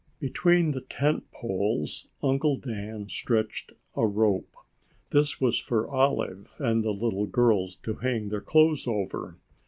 Between the tent poles Uncle Dan stretched a rope. This was for Olive and the little girls to hang their clothes over.